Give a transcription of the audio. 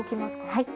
はい。